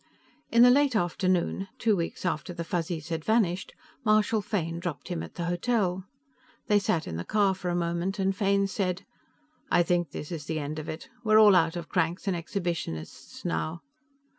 In the late afternoon, two weeks after the Fuzzies had vanished, Marshal Fane dropped him at the hotel. They sat in the car for a moment, and Fane said: "I think this is the end of it. We're all out of cranks and exhibitionists now."